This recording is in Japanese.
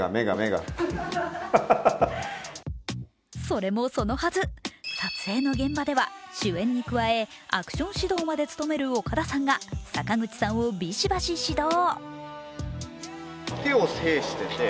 それもそのはず、撮影の現場では主演に加え、アクション指導まで務める岡田さんが坂口さんをビシバシ指導。